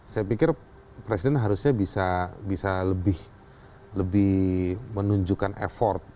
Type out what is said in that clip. saya pikir presiden harusnya bisa lebih menunjukkan effort